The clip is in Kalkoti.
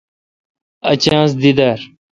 اؘ چانس دی درا۔